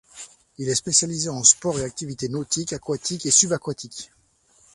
Il est spécialisé en sports et activités nautiques, aquatiques et subaquatiques.